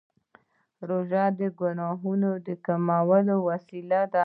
روژه د ګناهونو د کمولو وسیله ده.